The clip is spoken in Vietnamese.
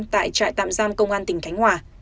tại trại tạm giam công an tỉnh khánh hòa